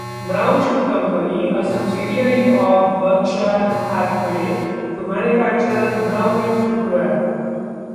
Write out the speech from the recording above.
Brown Shoe Company, a subsidiary of Berkshire Hathaway, to manufacture Browning Footwear.